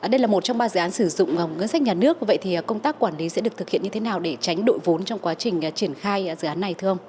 đây là một trong ba dự án sử dụng ngân sách nhà nước vậy thì công tác quản lý sẽ được thực hiện như thế nào để tránh đội vốn trong quá trình triển khai dự án này thưa ông